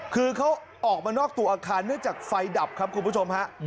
คือเขาออกมานอกตัวอาคารเนื่องจากไฟดับครับคุณผู้ชมฮะ